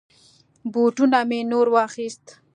بوټونه می نور واخيست.